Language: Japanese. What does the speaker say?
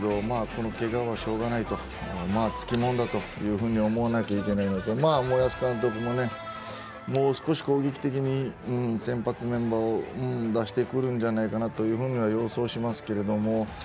この、けがはしょうがないとまあ、つきもんだというふうに思わなければいけないのと森保監督も、もう少し攻撃的に先発メンバーを出してくるんじゃないかなというふうには予想しますけれども。